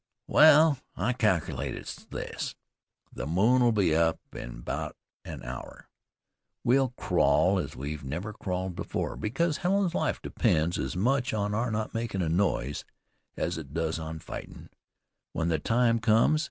"Wal, I calkilate it's this. The moon'll be up in about an hour. We'll crawl as we've never crawled afore, because Helen's life depends as much on our not makin' a noise, as it does on fightin' when the time comes.